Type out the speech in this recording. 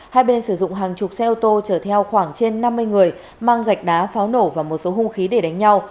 hai bên sử dụng hàng chục xe ô tô chở theo khoảng trên năm mươi người mang gạch đá pháo nổ và một số hung khí để đánh nhau